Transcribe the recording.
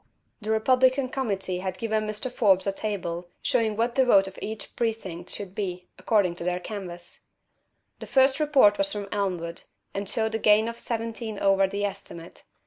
The Republican Committee had given Mr. Forbes a table showing what the vote of each precinct should be, according to their canvass. The first report was from Elmwood, and showed a gain of seventeen over the estimate.